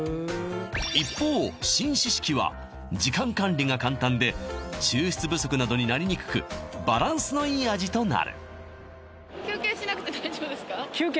一方浸漬式は時間管理が簡単で抽出不足などになりにくくバランスのいい味となる休憩しなくて大丈夫ですか？